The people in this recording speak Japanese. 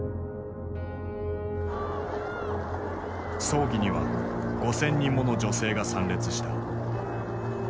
葬儀には５，０００人もの女性が参列した。